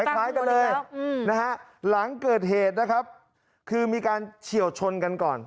คล้ายกันเลยนะฮะหลังเกิดเหตุนะครับคือมีการเฉียวชนกันก่อน